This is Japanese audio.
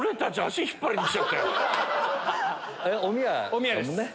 おみやですもんね。